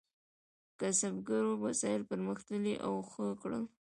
کسبګرو وسایل پرمختللي او ښه کړل.